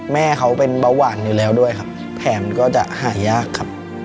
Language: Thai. แม่เขาเป็นเบาหวานอยู่แล้วด้วยครับแผนก็จะหายากครับ